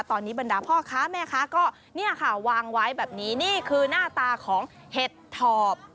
ตอนนี้บรรดาพ่อค้าแม่ค้าก็เนี่ยค่ะวางไว้แบบนี้นี่คือหน้าตาของเห็ดถอบ